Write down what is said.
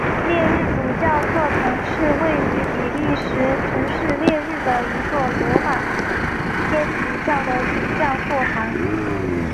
列日主教座堂是位于比利时城市列日的一座罗马天主教的主教座堂。